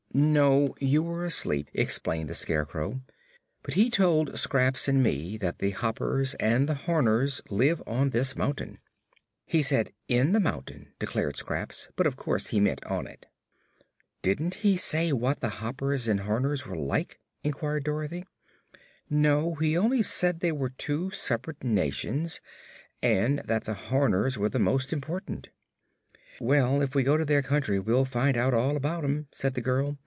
"No; you were asleep," explained the Scarecrow. "But he told Scraps and me that the Hoppers and the Horners live on this mountain." "He said in the mountain," declared Scraps; "but of course he meant on it." "Didn't he say what the Hoppers and Horners were like?" inquired Dorothy. "No; he only said they were two separate nations, and that the Horners were the most important." "Well, if we go to their country we'll find out all about 'em," said the girl.